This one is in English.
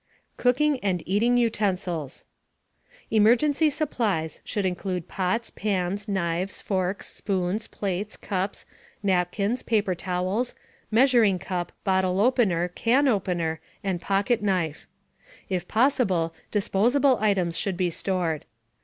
COOKING AND EATING UTENSILS. Emergency supplies should include pots, pans, knives, forks, spoons, plates, cups, napkins, paper towels, measuring cup, bottle opener, can opener, and pocket knife. If possible, disposable items should be stored.